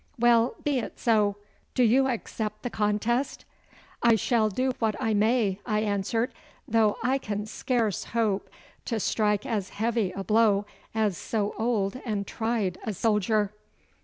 Well, be it so. Do you accept the contest?' 'I shall do what I may,' I answered, 'though I can scarce hope to strike as heavy a blow as so old and tried a soldier.